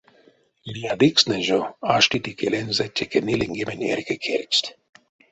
Лиядыкстнэ жо аштить икелензэ теке ниленьгемень эрьге керькст.